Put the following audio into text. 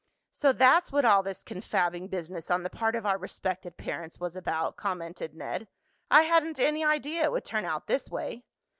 "So that's what all this confabbing business on the part of our respected parents was about," commented Ned. "I hadn't any idea it would turn out this way."